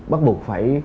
bắt buộc phải